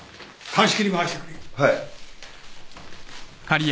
はい。